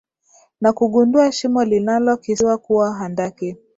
na kugundua shimo linalo kisiwa kuwa handaki